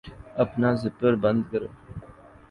اپنا زپر بند کرو